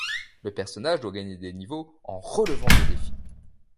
Le personnage doit gagner des niveaux, en relevant des défis.